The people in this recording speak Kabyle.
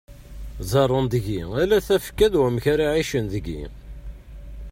Ẓẓaren-d deg-i ala tafekka d wamek ara ɛicen deg-i.